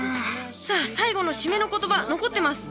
さあ最後の締めの言葉残ってます。